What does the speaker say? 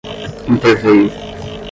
interveio